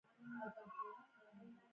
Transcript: امریکا د کاناډا لوی شریک دی.